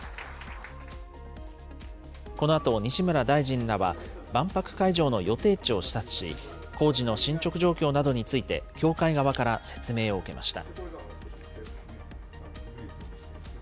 このあと、西村大臣らは万博会場の予定地を視察し、工事の進捗状況などについて協会側から説明を受けました。